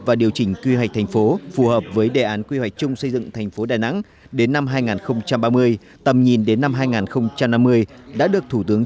và điều chỉnh quy hoạch thành phố phù hợp với đề án quy hoạch chung xây dựng thành phố đà nẵng